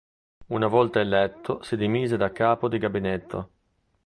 Una volta eletto si dimise da capo di gabinetto.